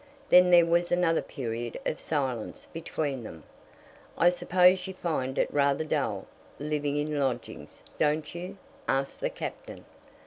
Then there was another period of silence between them. "I suppose you find it rather dull, living in lodgings; don't you?" asked the Captain.